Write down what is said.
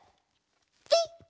ピッ！